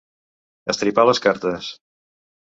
Estripar les cartes.